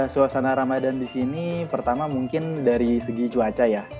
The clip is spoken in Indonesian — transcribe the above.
suasana ramadan di sini pertama mungkin dari segi cuaca ya